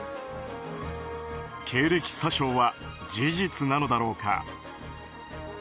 経歴詐称は事実なのだろか。